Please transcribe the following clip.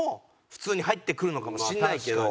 普通に入ってくるのかもしれないけど。